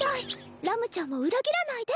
ラムちゃんを裏切らないで。